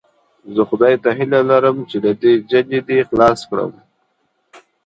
زه خدای ته هیله لرم چې له دې ججې دې خلاص کړم.